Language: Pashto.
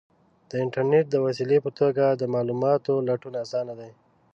د انټرنیټ د وسیلې په توګه د معلوماتو لټون آسانه دی.